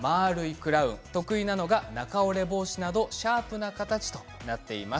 クラウン得意なのがシャープな形となっています。